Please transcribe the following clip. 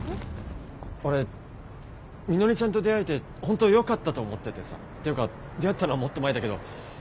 俺みのりちゃんと出会えて本当よかったと思っててさていうか出会ったのはもっと前だけど。